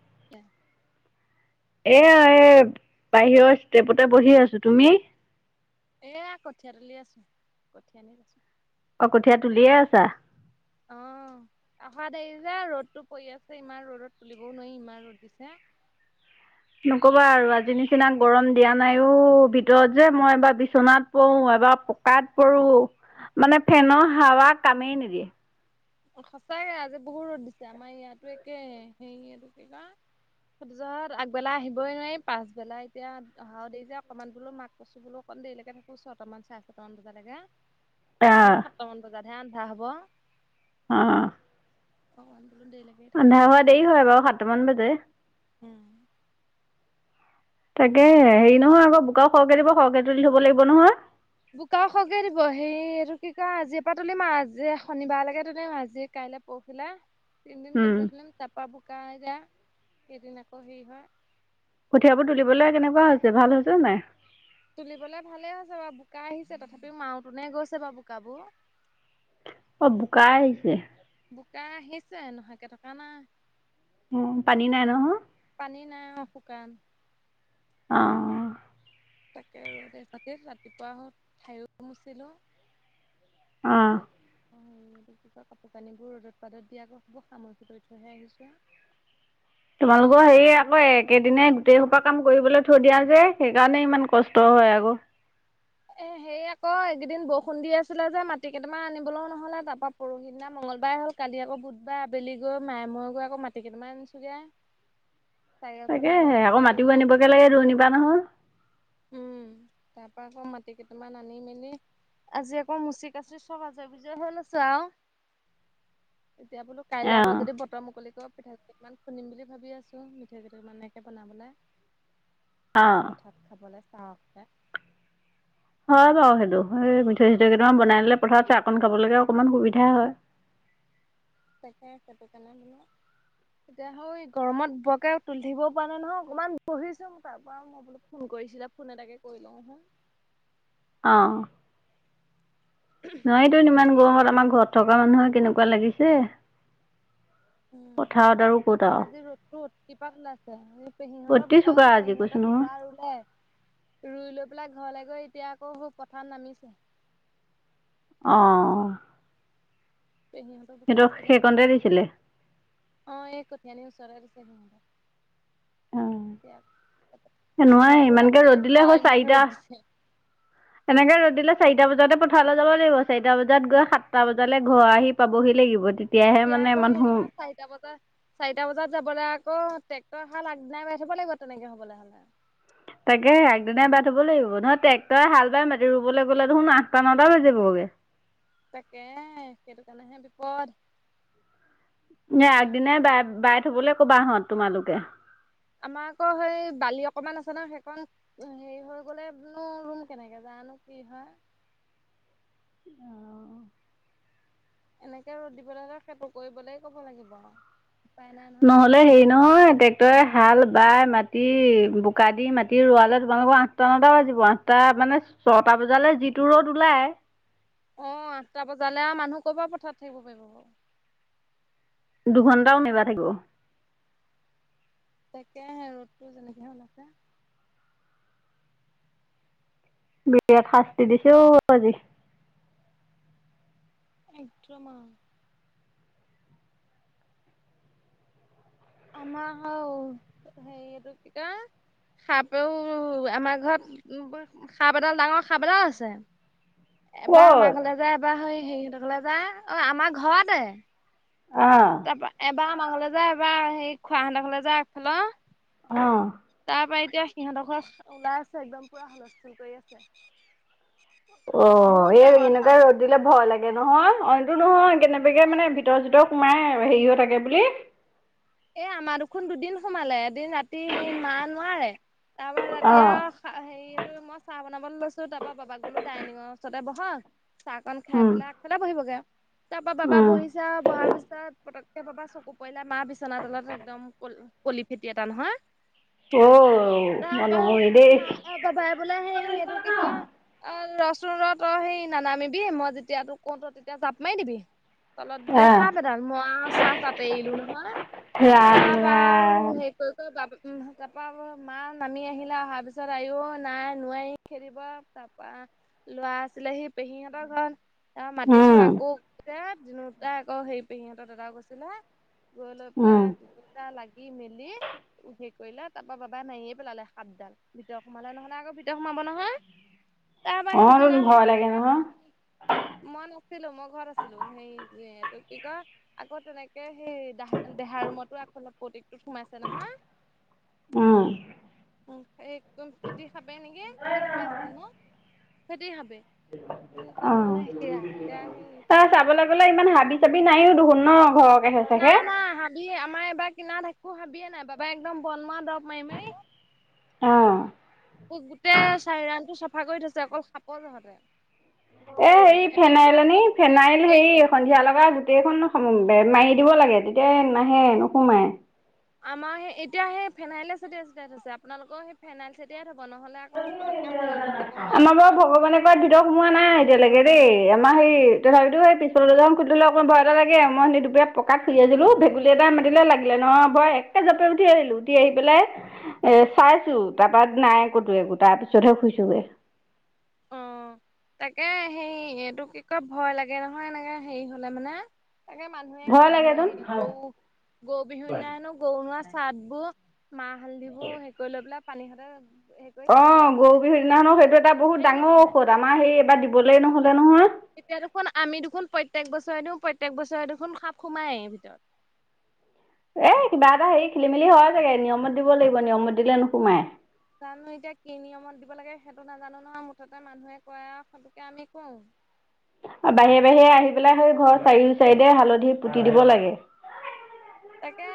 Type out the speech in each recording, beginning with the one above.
[inaudible] এয়া এই বাহিৰৰ ষ্টেপতে বহি আছো তুমি? এ কঠীয়া তুলি আছো কঠীয়া তুলিছো। অ কঠীয়া তুলিয়ে আছা? অ। অহা দেৰি যে ৰ'দো পৰি আছে ইমান ৰ'দত তুলিবও নোৱাৰি ইমান ৰ'দ দিছে। [unintelligible] নকবা আৰু আজি নিচিনা গৰম দিয়া নাইও ভিতৰত যে মই এবাৰ বিচনাত পওঁ এবাৰ পকাত পৰো মানে ফেনৰ হাৱা কামেই নিদিয়ে। সঁচাকে আজি বহুত ৰ'দ দিছে আমাৰ ইয়াতো একে হেৰি এই কিবা সজত আগবেলা আহিবই নোৱাৰি পাছবেলা এতিয়া অহাও দেৰি যে অকমান বোলো মাক কছু বোলো ক দেৰিলৈকে থাকো ছয়টামান চাৰে ছটামান বজালৈকে। এনেও আহ সাতটামান বজাতহে আন্ধাৰ হ'ব। অ। অ। ৰান্ধা হোৱা দেৰি হয় বাৰু সাতটামান বাজে। উম। তাকে হেৰি নহয় আকৌ বোকাও সৰহকে দিব সৰহকে তুলি ধৰিব লাগিব নহয়। বোকাও খৰকে দিব সেই এইটো কি ক আজিৰে পৰা তুলিম আৰু আজি শনিবাৰলৈকে তুলিম আজি ক কাইলে পৰহিলে তিনদিন উম কঠিয়া তুলিম তাৰপৰা বোকা দিলে কেইদিন আকৌ হেৰি হয়। কঠিয়াবোৰ তুলিবলৈ কেনেকুৱা হৈছে ভাল হৈছে নে নাই? তুলিবলৈ ভালে হৈছে বাৰু বোকা আহিছে তথাপিও মাওতোনে গৈছে বাৰু বোকাবোৰ। [inaudible] অ বোকা আহিছে। বোকা আহিছে নোহাকে থকা নাই। উম পানী নাই নহয়। পানী নাই অ শুকান আহ তাকে ৰ'দে চাতে ৰাতিপুৱা হ ঠায়ো মুচিলো অ অ তাত কাপোৰ কানিবোৰ ৰ'দত পাতত দিয় আকৌ সব সামৰি থৈহে আহিছো তোমালোকৰ হেৰি আকৌ একেদিনাই গোটেইসোপা কাম কৰিবলৈ থৈ দিয়া যে সেইকাৰণে ইমান কষ্ট হয় আকৌ এ সেই আকৌ এইকেইদিন বৰষুণ দি আছিলে যে মাটি কেইটামান আনিবলৈও নহ'লে তাপা পৰহিদিনা মঙ্গলবাৰ মঙলবাৰ হ'ল কালি আকৌ বুধবাৰ আবেলি গৈ মায়ে ময়ে গৈ আকৌ মাটি কেইটামান আনিছোগে। তাকেহে আকৌ চাৰিআখনকে লৈ মাটিও গৈ আনিবগে লাগে দূৰণিৰ পৰা নহয়। উম তাৰ পৰা আকৌ মাটি কেইটামান আনি মেলি আজি আকৌ মুচি কাচি চব আজৰি বিজৰি হৈ লৈছো আৰু। এতিয়া বোলো কাইলে অঁ আকৌ যদি বতৰ মুকলি পিঠাগুৰি অকণমান খুন্দিম বুলি ভাবি আছো, পিঠা কেইটামানকে বনাবলৈ। অ [unintelligible] হয় বাৰু সেইটো, সেই মিঠৈ চিঠৈ কেইটামান বনাই লে পথাৰত চাহকণ খাবলৈকে অকনমান সুবিধা হয়। তাকে সেইটোকাৰণে বুলো এতিয়া হ গৰমত বৰকে তুলি থাকিবও পৰা নাই নহয় অকণমান বহিছো মই তাৰ পৰা মই বুলো ফোন কৰি কৰিছিলা ফোন এটাকে কৰি লওঁ হা। অ নহয়তো ইমান গৰত আমাৰ ঘৰত থকা মানুহে কেনেকুৱা লাগিছে। পথাৰত আৰু ক'ত আৰু। আজি ৰ'দটো [unintelligible] কপা ওলাইছে সিহঁতৰ অতি বোকা চোকা উঠ দিছে আজি কৈছো সিহঁতৰ নহয় দুবাৰ ৰুলে। ৰুই লৈ পেলাই ঘৰলৈ গৈ এতিয়া আকৌ পথাৰত নামিছে। অঁ পেহিহঁতক বোকা সিহঁতক দিছিলা, সেইকণতে দিছিলে অ এই কঠিয়ানীৰ ওচৰতে [unintelligible] অঁ এয়া মই নোৱাৰি বোলো ইমানকে ৰ'দ ৰাতিয়ে আৰু দিলে হয় পুৱাই ইমান চাৰিটা ৰদ দিছে। এনেকে ৰ'দ দিলে। চাৰিটা বজাতে পথাৰলৈ যাব লাগিব। চাৰিটা বজাত গৈ সাতটা বজালে ঘৰ আহি পাবহি লাগিব। তেতিয়া- এতিয়া আকৌ সেই নহয় চাৰিটা বজাত চাৰিটা বজাত যাবলৈ আকৌ ট্ৰেক্টৰ হাল আগদিনাই বাই থ'ব লাগিব তেনেকে হ'বলৈ হ'লে। তাকে একগদিনাই বা থ'ব লাগিব। নহয় ট্ৰেক্টৰ হাল বাই মাতি ৰুবলৈ গ'লে দেখোন আঠটা নটা বাজিবগৈ। [unintelligible] তাকে কেইটোকাৰণে হে বিপদ। এতিয়া আগদিনাই বাই বাই থ'বলৈ কবা হত তোমালোকে আমাৰ আকৌ সেই বালি অকমান আছে, ন সেইকন হেৰি হৈ গ'লেনো ৰুম কেনেকে যায়। যানো কি হয়। অ' এনেকে ৰ'দ দিব লাগে সেইটো কৰিবলে ক'ব লাগিব আৰু। উপায় নাই নহয় নহ'লে হেৰি নহয় ট্ৰেক্টৰে হাল বাই মাটি বোকা দি মাটি ৰোৱালে তোমালোকৰ আঠটা নটা বাজিব আঠটা মানে ছটা বজালে যিটো ৰ'দ ওলাই। অ আঠটা বজালে আৰু মানুহ ক'ৰপাৰ পথাৰত থাকিব পাৰিব বাৰু। দুঘন্টা [unintelligible] তাকে ৰ'দটো যেনেকে ওলাইছে। বিৰাট শাস্তি দিছো আজি। একদ্ৰমা আ আমাৰ হ সেই ৰূপিকা সাপ আমাৰ ঘৰত সাপডাল ডাঙৰ সাপ এডাল আছে। এবাৰ আমাৰ ক'ত ঘৰলৈ যা এবাৰ হেৰি সেইহতৰ ঘৰলে যা অ' আমাৰ ঘৰতে অ তাৰপা এবাৰ আমাঘৰলৈ যায় এবাৰ সেই খুৰা যায় আগফালৰ। অ' তাৰ পৰা এতিয়া সিহঁতৰ ঘৰত ওলাই আছে। একদম পুৰা হুলস্থুল কৰি আছে। অ' বহুত এই ডাঙৰ এনেকুৱা সাপডাল ৰ'দ দিলে ভয় লাগে নহয় অইনটো নহয়। কেনেবাকে অ মানে ভিতৰ ভিতৰ সোমাই হেৰি হৈ থাকে বুলি। এ আমাৰ দেখোন দুদিন সোমালে। এদিন ৰাতি সেই মা নোৱাৰে তাৰ পৰা অ ৰাতি আৰু হেৰিটো মই চাহ বনাব লৈছো তাৰ পৰা পাপাক বোলো ডাইনিংঙৰ ওৰতে বহাক। চাহকন খাই উম পেলাই আগফালে বহিবগে আৰু তাৰ পৰা বাবা উম বহিছে আৰু বহাৰ পিছত পত পাবা চকু পইলা মাহ বিচনা তলত একদম কল কলি ফেটি এটা নহয়। অ' তৰপৰা নকবি দেই মা-বাবাইই বোলে সেইটো কি কয়। ৰচোন ৰ ত সেই নানামিবি মই যেতিয়া তোক কওঁ ত তেতিয়া জাপ মাৰ দিবি তলত বোলে আহ স ব এধাল মই চাহ তাতে এৰিলো নহয়। ৰাম তাৰপৰা ৰাম হেই কি কৰি। তাপ মা নামি আহিলে অহাৰ পিছত আও নাই নোৱাৰি খেদিব ত। ল'ৰা আছিলে সি পেহিহঁতৰ ঘৰত। ত মাতিছো উম আকৌ দিনোটাই আকৌ সেই পেহীহঁতৰ দাদা গৈছিলে, গৈ লৈ লা উম পা লাগি। কৰিলা তাৰপৰা বাবা নাইয়ে পেলালে সাপডাল ভিত সোমালে নহ'লে আকৌ ভিত সোমাব নহয়। তাৰপৰা অ তোন সিদিনা হ ভয় লাগে তেনেকে নহয় মন। মই নাছিলো মই ঘৰত আছিলো। সেই ত কি কয় আকৌ তেনেকে সেইা দেহা ৰুমতো আগফাল প্ৰতিক। ত সোমাইছে নহয় উম এই একদম ফেট খাপে নেকি ফেট খাপে আছিলে ন ফেতি খাবে। অ এতিয়া সেই তাৰ চাবলৈ গ'লে ইমান হাবি চাবি। তুমি নাইয়ো দেখোন ন' ঘৰত? নাই, আমা হাবি আমাৰ এবাক কিনাৰত একো হাবিয়ে নাই বাবায়ে একদম বনমৱা দৰৱ মাৰি, মাৰি অ'। গোটেই চাই ৰাণটো চাফা কৰি থৈছে, অকল সাপৰ জহতে। এ, হেৰি এতিয়া মা ফেনাইল আকৌ আনি তাক ফেনাইল ছটিয়াই হেৰি থয় সন্ধিয়া লগা গোটেইখন [unintelligible] মাৰি দিব লাগে, তেতিয়াই নাহে, নোসোমাই। আমাৰ সেই এতিয়া সেই ফেনাইলে চতিয়াই চতিয়াই থৈছে আপোনালোকৰ সেই ফেনাইল চতিয়াই থ'ব নহ'লে আকৌ পতককে সোমাব ক'ব নোৱাৰি আমাৰ বাৰু ভগৱানে কৰাত ভিতৰত সোমোৱা নাই এতিয়ালৈকে দেই আমাৰ সেই তথাপিতো সেই পিছ [unintelligible] খুধিলে অকণ ভয় এটা লাগে মই সেই দুপৰীয়া পকাত শুই আছিলোঁ ভেকুলী এটা মতিলে লাগিলে নয় ব এক কে জাপে উঠি আহিলো, উঠি আহি পেলাই এ চাইছো তাৰপা নাই ক'তো একো তাৰ পিছতহে শুইছোগে। অ'। তাকে হেৰি এইটো কি কয় ভয় লাগে নহয় এনেকে হেৰি হ'লে মানে। তাকে মানুহে ভয় কয়, হয় লাগেচোন গৰু গৰু বিহুৰ দিনা হেনো গৰু নোৱা চাদবোৰ মাহ হালধিবোৰ হেৰি কৰি লৈ পেলাই পানী সতে হেৰি কৰি ছটিয়াই অ', পেলাই গৰু বিহুৰ দিনাখনো সেইটো এটা বহুত হেৰি ডাঙৰ নোসোমাই ঔষধ আমাৰ সেই এবাৰ দিবলে নহ'লে নহয়। এতিয়া দেখোন আমি দেখোন প্ৰত্যেক বছৰে দিওঁ প্ৰত্যয়েক বছৰে দেখোন সাপ সোমায়েই ভিতৰত। [inaudible] এ কিবা এটা হেৰি খেলি মেলি হয় চাগে নিয়মত দিব লাগিব, নিয়মত দিলে নোসোমাই। জানো এতিয়া কি নিয়মত দিব লাগে সেইটো নাজানো ন' মুঠতে মানুহে কয় আৰু সেইটোকে আমি কওঁ। আৰু বাহিৰে বাহিৰে আহি পেলাই সেই ঘৰ চাৰিও চাৰিদে হালধি পুতি দিব লাগে। তাকে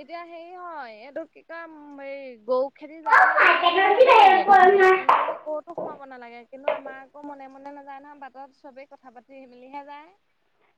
এতিয়া হেৰি হয় এইটো কি কয় এই গৰু খেদি যাওঁ নে মনে মনে যাব লাগে মনে মনে ক'তো সোমাব নালাগে কিন্তু আমাৰ আকৌ মনে ম মানে নাযায় নহয় বাটত চবেই কথা পাতি মেলিহে যায়।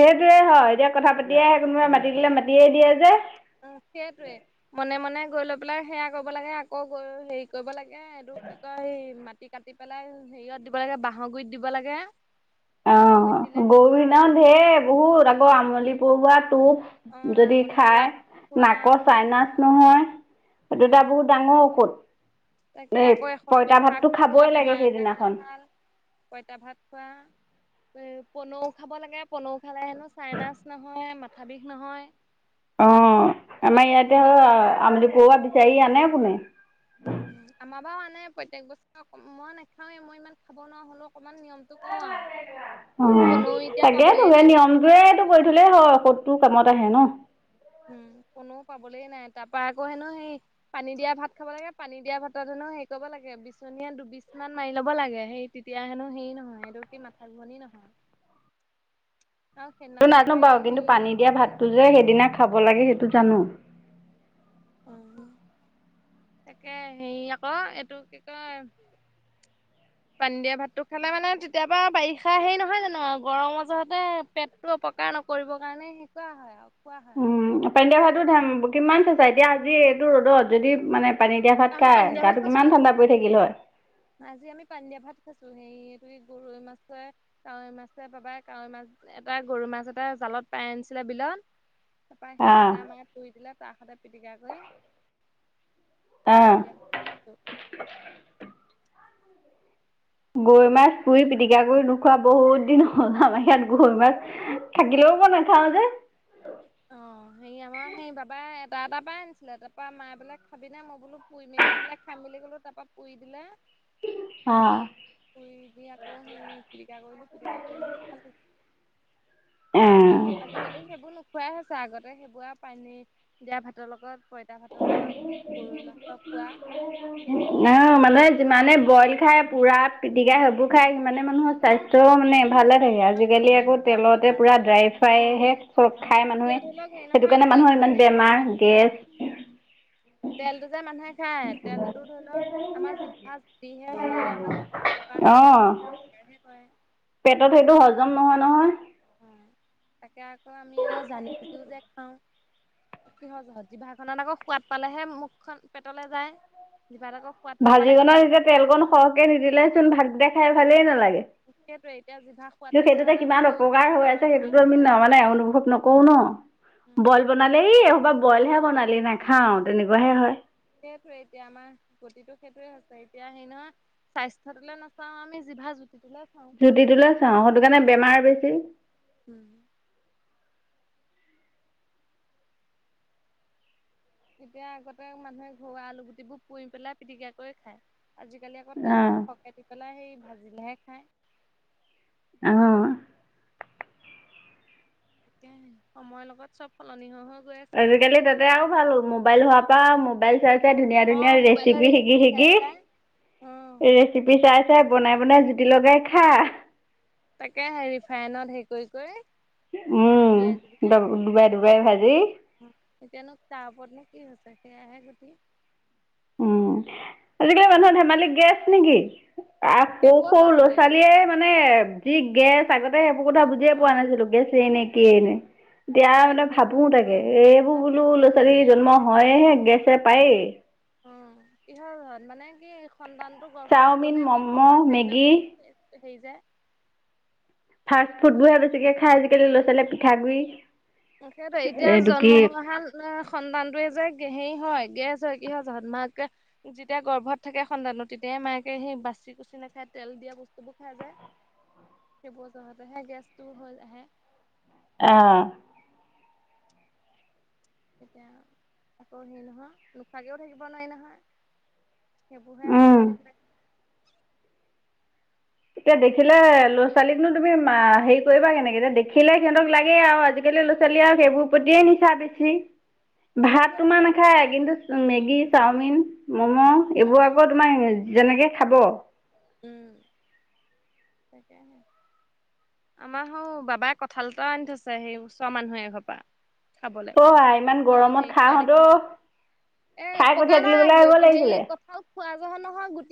সেইটোৱে হয় এতিয়া কথা পাতিয়াই আহে কোনোবাই মাতি দিলে মাতিয়ে দিয়ে যে। উম, সেইটোৱে মনে মনে গৈ লৈ পেলাই সেয়া কৰিব লাগে আকৌ গৈ হেৰি কৰিব লাগ সে এইটো কি কয় মাটি কাটি পেলাই হেৰিয়ত দিব লাগে, বাঁহৰ গুৰিত দিব লাগে। বাঁহৰ গুৰিত অ', দিলে হেনো গৰুৰ ভাল দিনাখন তেনেকে ঢেৰ বহুত আকৌ আমলি পৰুৱাত অ টোপ যদি আমলি খাই পোৱাত নাকৰ খোৱা চাইনাছ নহয়। সেইটো এটা উম বহুত ডাঙৰ ঔষধ। তাকে, এই আকৌ এশ এবিধ পঁইতা শাক ভাতটো খাবই খোৱা লাগে বেমাৰ এটাৰ কাৰণে সেইদিনাখন ভাল। পঁইতা ভাত খোৱা। এ, পনৌ খাব লাগে, পনৌ খালে হেনো চাইনাচ নহয়, মাথা বিষ নহয়। অ', সেইটো আমাৰ ইয়াতে ঘৰুৱা পিয়াজ আ-আমুলি পৰুৱা বিচাৰি আনে কোনে? উম, আমাৰ বাৰু আনে প্ৰত্যক বছৰে মই নাখাওঁৱেই, মই ইমান খাব নোৱাৰা হ'লো অকমান নিয়মটো কওঁ [unintelligible] অ', তাকেতো এই নিয়মটোৱেটো কব কৰি থ'লেই হয়, ঔষধটো কামত আহে ন? উম, পনৌ পাবলে নাই তাৰপা আকৌ হেনো সেই পানী দিয়া ভাত খাব লাগে, পানী দিয়া ভাতত হেনো ন' হেৰি কৰিব লাগে বিচনীৰে দুবিচ মান মাৰি ল'ব লাগে, সেই তেতিয়া হেনো হেৰি নহয়, সেইটো কি মাথা ঘূৰনী নহয় আৰু সেইদিনাখনৰ নাজানোঁ পৰা এনেও বাৰু কিন্তু সেই পানী দিয়া বিচনী ভাতটো যে, সেইদিনা খাব লাগে সেইটো জানোঁ। উম, তাকে, হেৰি আকৌ এইটো কি কয় পানী দিয়া ভাতটো খালে মানে তেতিয়াপৰা বাৰিষা হেৰি নহয় জানোঁ, আৰু গৰমৰ জহতে পেটটো অপকাৰ নকৰিব কাৰণে হেৰি কৰা হয়, আৰু খোৱা হয় উম, [unintelligible] কিমান চেঁচা এতিয়া আজি এইটো ৰ'দত যদি মানে পানী দিয়া ভাত আমি খাই, পানী দিয়া ভাত গাটো খাইছো কিমান আজি ঠাণ্ডা পৰি থাকিল হয়। আছোঁ, সেই এইটো গৰৈ মাছে, কাৱৈ মাছে, বাবায়ে কাৱৈ মাছ এটা, গৰৈ মাছ এটা জা জালত পাই আনিছিলে বিলত। তাৰপৰা সেই অঁ দুটা মানে পুৰি দিলে তাৰ স'তে পিটিকা কৰি অঁ পানী দিয়া খায় আছো। গৰৈ মাছ পুৰি পিটিকা কৰি নোখোৱা বহুত দিন হ'ল, আমাৰ ইয়াত গৰৈ মাছ থাকিলেও অ মই নাখাওঁ যে। তাৰ তাৰ পৰাই আনিছিলে তাৰ পৰা মায়ে বোলে খাবিনে মই বোলো পুৰি মেলি দিলে খাম বুলি কলো তাৰ পৰা পুৰি দিলে। শুই উঠি আকৌ সেই পিটিকা কৰিলো পিটিকা কৰি মেলি খালো। অ', আজিকালি সেইবোৰ নোখোৱাই হৈছে আগতে সেইবোৰ পানী দিয়া ভাতৰ লগত পইতা ভাত। নহ মান যিমানে বইল খায় পুৰা পিটিকা সেইবোৰ খায় সিমানে মানুহৰ স্বাস্থ্য। ত, মানে ভালে থাকে আমাৰ এতিয়া আজিকালি আকৌ তেলটোৱে তেলতে অপকাৰহে পুৰা কৰে ড্ৰাই মানুহক ফ্ৰাইহে তেল চব খাই এতিয়া মানুহে। ধৰি লওক হেৰি সেইটো নহয় কাৰণে মানুহৰ ইমান তেলটো যে খাই বেমাৰ মানুহে গেছ তেলটো যে মানুহ খাই তেলটোধৰি লওক আমাৰ জিভাত দিয়ে সেইটোৱে আমাক একো উপকাৰ নকৰে অ' নহয়। এনে কয়। পেটত সেইটো হজম নহয় - নহয়। অ, তাকে আকৌ আমি আকৌ জানি বুজিও যে খাও। কিহৰজহত জিভাখনত আকৌ সোৱাদ পালেহে মুখখন পেটলে যায়। জিভাত আকৌ সোৱাদ নাপালে ভাজিখনত খাবলৈ যেতিয়া তেল কন নাযায় নহয় সৰহকে নিদিলে চোন ভাতকেটা খাই ভালেই নালাগে। সেইটোৱে এতিয়া জিভা কিন্তু সোৱাদটো সেইটোতে জহতে কিমান অপকাৰ হৈ স্বাস্থ্যটো আছে অপকাৰ সেইটোতো আমি হৈছে। ন মানে অনুভৱ নকৰো ন। অ, উম। বইল বনালে এইসোপা বইলহে বনালি নেখাও তেনেকুৱাহে হয়। সেইটোয়ে এতিয়া আমাৰ গতিটো সেইটোয়ে হৈছে এতিয়া হেৰি নহয় স্বাস্থ্যটো লৈ নাচাও আমি জিভা জু জুতিটো লৈ চাও সেইটো কাৰণে বেমাৰ বেছি। উম, এতিয়া আগতে মানুহে ঘৰুৱা আলুগুটিবোৰ পুৰি পেলাই পিটিকা কৰি খায় আজি আজিকালি আকৌ অ', তেলঅকন সৰকে দি পেলাই সেই ভাজিলেহে খাই। আহ, তাকেহে সময়ৰ লগত চব সলনি হৈ- হৈ গৈ আছে আৰু। আজিকালি তাতে আৰু ভাল হল মোবাইল হোৱাৰ পৰা মোবাইল চাই এতিয়া ধুনীয়া -ধুনীয়া অ' মোবাইলৰ ৰেচিপি শিকি- চাই চাই। অ' শিকি ৰেচিপি চাই এতিয়া বনাই বনাই জুতি লগাই খা তাকেহে ৰিফাইনত হেৰি কৰি - কৰি। উম, জুবিয়াই ড জুবিয়াই ডুবাই - ডুবাই ভাজি। এতিয়ানো তাৰ ওপৰতনো কি হৈছে সেয়াহে গতি উম, আজিকালি মানুহৰ ধেমালি গেছ নেকি? আ সৰু - সৰু ল'ৰা কেইবছৰতে। ছোৱালীয়ে মানে যি গেছ আগতে সেইবো এইবোৰ কথা বুজিয়ে পোৱা অ' নাছিলো গেছে নে কিহে নে। এতিয়া সেইটোৱে মানে আজিকালি ভাবো সৰু সৰু তাকে ল'ৰা ছোৱালী এইবোৰ কিবা ধৰি বোলো লোৱা ল'ৰা ছোৱালী দুয়ে জন্ম হয়হে গেছে পায়েই। অ, কিহৰ ঘৰত মানে কি সন্তানতো গৰ্ভত থাকো চাওমিন, নে মাকক পোৰা ম'ম', মেগী খাদ্য। সেই যে ফাষ্ট ফুড বোৰহে বেছিকে খাই আজিকালি ল'ৰা ছোৱালীয়ে পিঠাগুৰি। সেইটো এতিয়া এইটো কি জন্ম হোৱাহাল সন্তানটোয়ে যে। হেৰি হয় গেছ হয় কি হয় জানা মাকে যেতিয়া গৰ্ভত থাকে সন্তানো তেতিয়াই মাকে সেই বা কুচি - কুচি নাখাই তেল দিয়া বস্তুবোৰ খাই যায়। সব জতে হে গেছটো হৈ আহে। অ', এতিয়া আকৌ হেৰি নহয় লোকচাকেও থাকিব নোৱাৰি নহয়। কে বুঢ়ে উম কচো তে এতিয়া দেখিলে ল'ৰা ছোৱালীকনো তুমি হেৰি কৰিবা কেনেকে যে দেখিলে সিহতক লাগে আৰু আজিকালি। ল'ৰা ছোৱালী আৰু সেইবোৰ পতিয়ে নিচা বেছি। ভাত তোমাৰ তাকেহে নাখায় কিন্তু মেগী চাওমিন মম' মমো এইবোৰ আকৌ সেইবোৰ তোমাৰ যেনেকে খাব। উম, সে আমাৰ হৌ বাবাৰ কঠাল এটাও আনি থৈছে সেই ওচৰ মানুহ এঘৰ পৰা। খাবলে। অহ, আই ইমান গৰমত খাহত অ, এহ খাই পকা কঠিয়াই নাই, তুলিবলৈ আহিব হেৰি লাগিছিলে কঁঠাল খোৱা যোৱা নহয়, গুটি